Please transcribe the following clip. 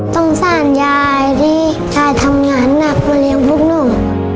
สงสารยายที่ยายทำงานหนักมาเลี้ยงพวกหนู